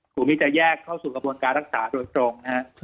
ภูมิที่จะแยกเข้าสู่กระบวนการรักษาโดยตรงนะฮะ